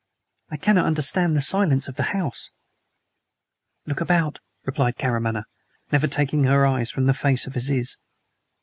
"I cannot understand the silence of the house " "Look about," replied Karamaneh, never taking her eyes from the face of Aziz.